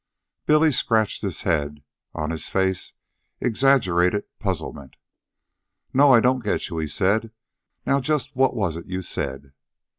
Billy scratched his head, on his face exaggerated puzzlement. "No, I don't get you," he said. "Now just what was it you said?"